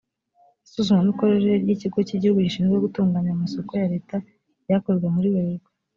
isuzumamikorere ry ikigo cy igihugu gishinzwe gutunganya amasoko ya leta ryakozwe muri werurwe